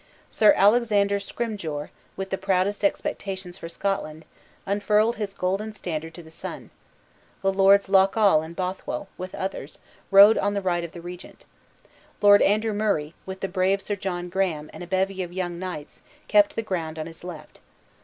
Sir Alexander Scrymgeour, with the proudest expectations for Scotland, unfurled his golden standard to the sun. The Lords Loch awe and Bothwell, with others, rode on the right of the regent. Lord Andrew Murray, with the brave Sir John Graham, and a bevy of young knights, kept the ground on his left.